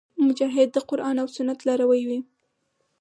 مجاهد د قرآن او سنت لاروی وي.